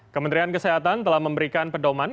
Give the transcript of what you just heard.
kementerian kesehatan telah memberikan pedoman